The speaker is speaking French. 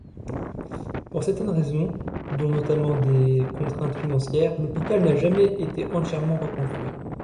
Pour certaines raisons, dont notamment des contraintes financières, l'hôpital n'a jamais été entièrement reconstruit.